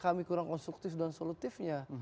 kami kurang konstruktif dan solutifnya